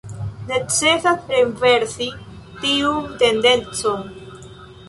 Necesas renversi tiun tendencon.